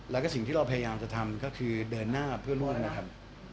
แล้วก็สิ่งที่เราพยายามจะทำก็คือเดินหน้าเพื่อนร่วมนะครับ